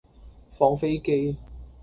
放飛機